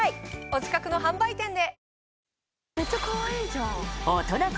お近くの販売店で！